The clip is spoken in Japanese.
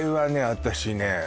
私ね